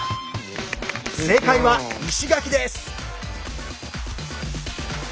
正解は石垣です！